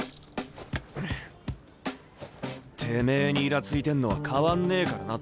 てめえにイラついてんのは変わんねえからな冨樫。